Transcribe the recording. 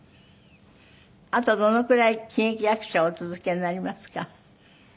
あとどのくらい喜劇役者をお続けになりますか？